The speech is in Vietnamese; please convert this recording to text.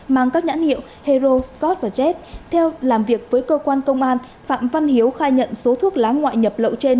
mang các nhãn hiệu hero scot và jet theo làm việc với cơ quan công an phạm văn hiếu khai nhận số thuốc lá ngoại nhập lậu trên